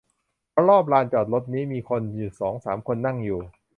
เพราะรอบลานจอดรถนี่มีคนอยู่สองสามคนนั่งอยู่